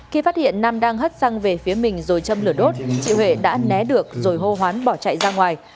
khi phát hiện nam đang hất xăng về phía mình rồi châm lửa đốt chị huệ đã né được rồi hô hoán bỏ chạy ra ngoài